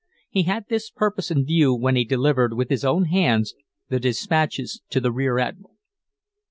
He had this purpose in view when he delivered with his own hands the dispatches to the rear admiral.